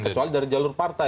kecuali dari jalur partai